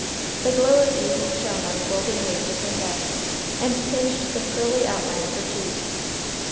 The glow of evening shone on the golden waves of her hair, and tinged the pearly outline of her cheek.